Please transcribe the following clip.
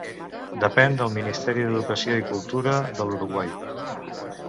Depèn del Ministeri d'Educació i Cultura de l'Uruguai.